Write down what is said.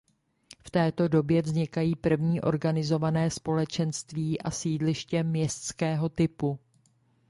V této době vznikají první organizovaná společenství a sídliště městského typu.